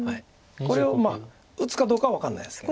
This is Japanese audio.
これを打つかどうかは分かんないですけど。